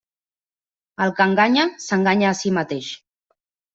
El que enganya, s'enganya a si mateix.